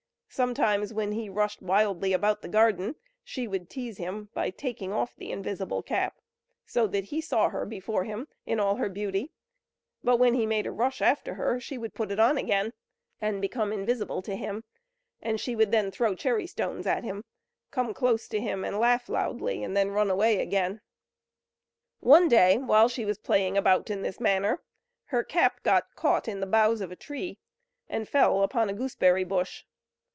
Sometimes when he rushed wildly about the garden, she would tease him by taking off the invisible cap, so that he saw her before him, in all her beauty; but when he made a rush after her she would put it on again, and become invisible to him; she would then throw cherry stones at him, come close to him, and laugh loudly: and then run away again. One day, when she was playing about in this manner, her cap got caught in the boughs of a tree, and fell upon a gooseberry bush.